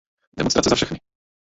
Demonstrace za všechny.